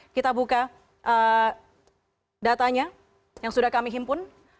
kita buka datanya yang sudah kami himpun